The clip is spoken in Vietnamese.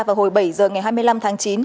vào hồi bảy giờ ngày hai mươi năm tháng chín